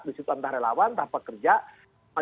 disitu entah relawan entah pekerja